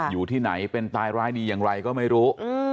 อยู่ที่ไหนเป็นตายร้ายดีอย่างไรก็ไม่รู้